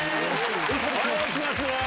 お願いします。